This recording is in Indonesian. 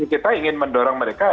kita ingin mendorong mereka